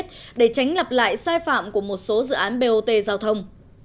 để tránh lặp lại sai phạm của một số dự án bot giao thông